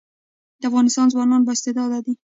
د افغانستان ځوانان با استعداده دي